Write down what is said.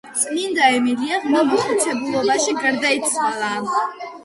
წმიდა ემილია ღრმა მოხუცებულობაში გარდაიცვალა.